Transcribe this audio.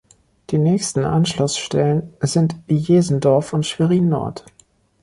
Die nächsten Anschlussstellen sind Jesendorf und Schwerin-Nord.